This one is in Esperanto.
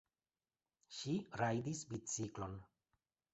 Ŝi rajdis biciklon.